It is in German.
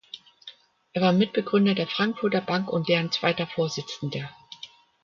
Er war Mitgründer der Frankfurter Bank und deren zweiter Vorsitzender.